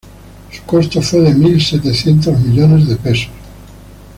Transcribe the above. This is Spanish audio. Su costo fue de mil setecientos millones de pesos.